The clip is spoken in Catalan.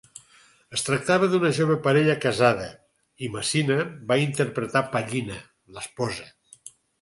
Es tractava d'una jove parella casada i Masina va interpretar Pallina, l'esposa.